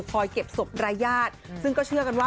เก็บศพรายญาติซึ่งก็เชื่อกันว่า